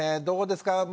どうですか？